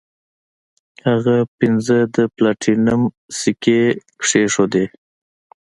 هغه پنځه د پلاټینم سکې کیښودې.